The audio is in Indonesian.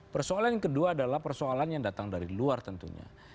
persoalan yang kedua adalah persoalan yang datang dari luar tentunya